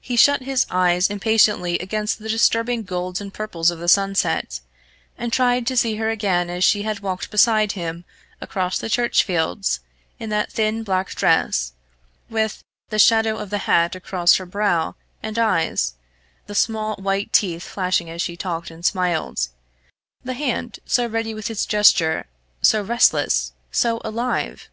He shut his eyes impatiently against the disturbing golds and purples of the sunset, and tried to see her again as she had walked beside him across the church fields, in that thin black dress, with, the shadow of the hat across her brow and eyes the small white teeth flashing as she talked and smiled, the hand so ready with its gesture, so restless, so alive!